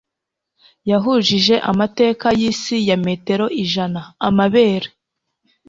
yahujije amateka yisi ya metero ijana-amabere